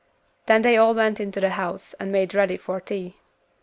Then they all went into the house, and made ready for tea.